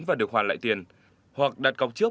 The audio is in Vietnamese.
và được hoàn lại tiền hoặc đặt cọc trước